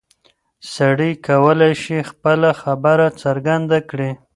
سړی کولی شي خپله خبره څرګنده کړي.